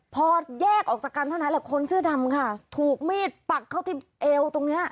พอแยกออกจากกันเท่านั้นแหละคนเสื้อดำค่ะถูกมีดปักเข้าที่เอวตรงเนี้ย